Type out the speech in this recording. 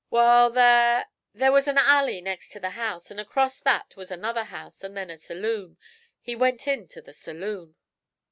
'Wal, there there was an alley next to the house, and acrost that was another house, and then a saloon. He went into the saloon.'